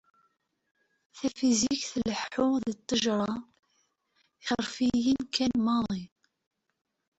Tafizikt tlehhu-d d tejṛa tiḥerfiyin kan maḍi.